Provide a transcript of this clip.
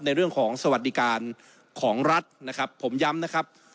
ในเรื่องของสวัสดิการของรัฐนะครับผมย้ำนะครับ